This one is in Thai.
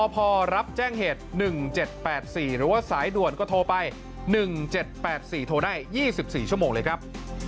พอรับแจ้งเหตุ๑๗๘๔หรือว่าสายด่วนก็โทรไป๑๗๘๔โทรได้๒๔ชั่วโมงเลยครับ